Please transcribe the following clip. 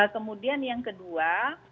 kemudian yang kedua